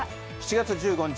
７月１５日